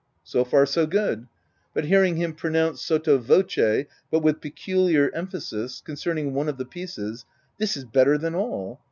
So far, so good ;— but, hearing him pro nounce, sotto voce, but with peculiar emphasis concerning one of the pieces, " This is better than all